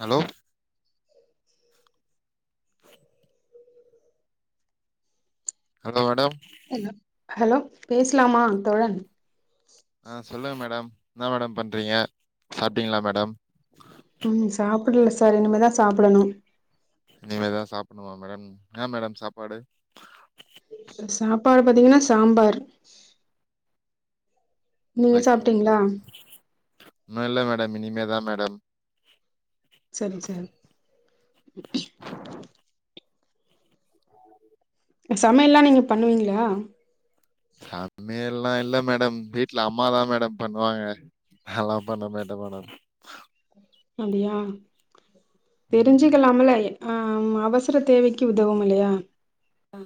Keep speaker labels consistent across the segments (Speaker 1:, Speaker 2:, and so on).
Speaker 1: hello hello madam
Speaker 2: hello hello பேசலாமா தோழா
Speaker 1: ஆ சொல்லுங்க மேடம் என்ன மேடம் பண்ணுறீங்க சாப்டீங்களா மேடம்
Speaker 2: ம் சாப்புடல சார் இனிமேதான் சாப்பிடணு
Speaker 1: இனிமே தா சாப்புடனுமா மேடம் என்ன மேடம் சாப்பாடு
Speaker 2: சாப்பாடு பாத்தீங்ன்னா சாம்பார் நீங்க சாப்டீங்களா
Speaker 1: இன்னு இல்ல மேடம் இனிமே தா மேடம்
Speaker 2: சேரி சேரி சமையல்லா நீங்க பண்ணுவீங்களா
Speaker 1: சமையல்லா இல்ல மேடம் வீட்ல அம்மா தா மேடம் பண்ணுவாங்க அதுல்லா பண்ண மாட்டே மேடம்
Speaker 2: அப்டியா தெரிஞ்சு க்கலாமுல அவசர தேவைக்கு உதவும் இல்லையா
Speaker 1: ஆ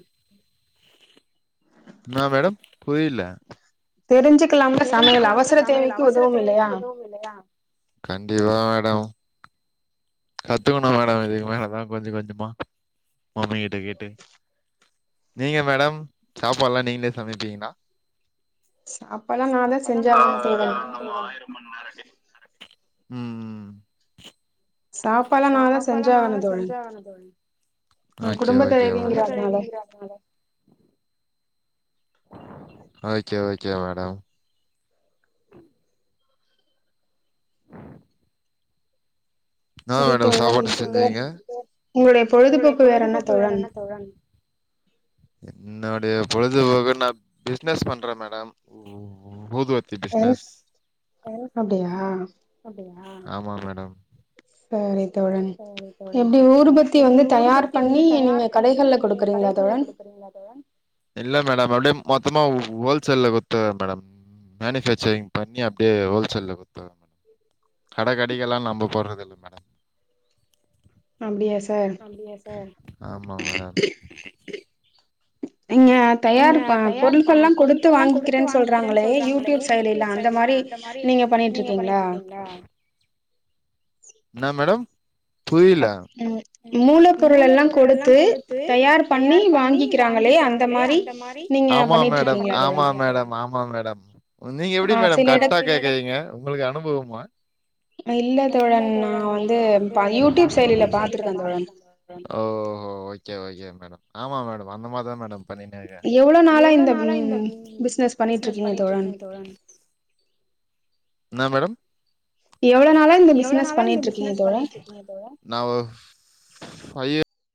Speaker 1: இன்னா மேடம் புரியல
Speaker 2: தெரிஞ்சுக்கலாம்
Speaker 1: தெரிஞ்சுக்கிலா முல சமையல அவசர தேவைக்கு உதவுமில்லயா கத்துக்கணு மேடம் இதுக்கு மேலதா கொஞ்சோ கொஞ்சோமா மம்மி கிட்ட கேட்டு நீங்க மேடம் சாப்பாடுல்லா நீங்களே சமைப்பீங்களா
Speaker 2: சாப்பாடுல்லா நா தா செஞ்சா ஆகுனும் தோழன்
Speaker 1: ம் ம் சாப்பாடுல்லா நா தா செஞ்சு ஆகனு தோழன் குடும்ப தலைவிங்கறதுனால ஓகே ஓகே மேடம்
Speaker 2: சேரி தோழன் வேற உங்களுடைய பொழுதுபோக்கு வேற என்ன தோழன்
Speaker 1: தோழன் என்னுடைய பொழுதுபோக்கு நா பிஸ்னஸ் பண்றே மேடம் ஊதுவத்தி
Speaker 2: ஆ அப்டியா
Speaker 1: ஆமா மேடம்
Speaker 2: சேரி தோழன் எப்டி ஊதுபத்தி வந்து தயார் பண்ணி நீங்க கடைகள்ல கொடுக்குறீங்களா தோழன்
Speaker 1: நீங்களா தோழன் இல்ல மேடம் அப்டியே மொத்தமா ஹோல்சேல்ல குத்துருவே மேடம் மேனுபக்சரிங்பண்ணி அப்டியே ஹோல்சோல்ல கொடுத்துருவே கடை கடகள் எல்லா நம்ப போடுறத இல்ல மேடம்
Speaker 2: அப்டியா சார்
Speaker 1: அப்டியா சார் ஆமா மேடம்
Speaker 2: இங்க தயார் பொருள்கள்லாம் கொடுத்து வாங்கிக்கிறேன்னு சொல்கிறாங்களே யூடியூப் செயலில அந்த மாரி
Speaker 1: இந்த மாரி நீங்க பண்ணிட்டு இருக்கீங்ளா என்ன மேடம்
Speaker 2: அப் ம் மூல பொருள் எல்லா கொடுத்து தயார் பண்ணி வாங்கி விக்கிறாங்களேய அந்த மாரி
Speaker 1: மாரி ஆமா மேடம் ஆமா மேடம் ஆமா மேடம் நீங்க எப்டி மேடம் கரெக்டா கேக் கேகிங்க உங்களுக்கு அனுபவமா
Speaker 2: இல்ல தோழன் நா வந்து ப யூடியூப் செயலில பாத்துருக்கேன் தோழன்
Speaker 1: ஓ ஓகே ஓகே மேடம் ஆமா மேடம் அந்த மாதிரிதா மேடம் பண்ணிணேக்க
Speaker 2: எவ்ளோ நாளாக இந்த பிஸ்னஸ் பண்ணிட்டு இருக்கீங்க தோழன்
Speaker 1: என்ன மேடம்
Speaker 2: எவ்ளோ நாளா இந்த பிசினஸ் பண்ணிட்டு இருக்கீங்க இதோட
Speaker 1: நா [inaudible]